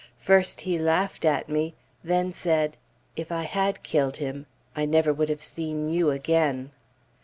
First he laughed at me, then said, "If I had killed him, I never would have seen you again."